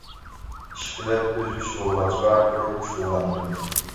ئىشقىلىپ ئۆزگىچە بولغاچقا كۆرۈپ خۇش بولغان ئىدىم.